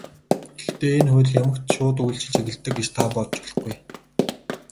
Гэхдээ энэ хууль ямагт шууд үйлчилж эхэлдэг гэж та бодож болохгүй.